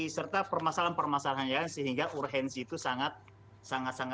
serta permasalahan permasalahan yang sehingga urgensi itu sangat terbatas